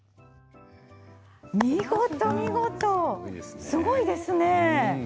見事、見事、すごいですね。